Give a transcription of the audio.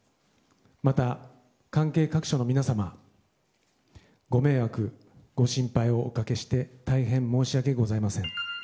また、関係各所の皆様ご迷惑、ご心配をおかけして大変申し訳ございません。